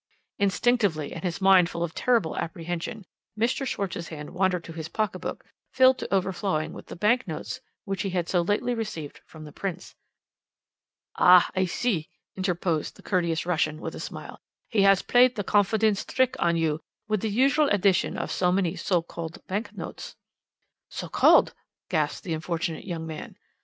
"Instinctively, and his mind full of terrible apprehension, Mr. Schwarz's hand wandered to his pocket book, filled to overflowing with the bank notes which he had so lately received from the Prince. "'Ah, I see,' interposed the courteous Russian with a smile, 'he has played the confidence trick on you, with the usual addition of so many so called bank notes.' "'So called,' gasped the unfortunate young man.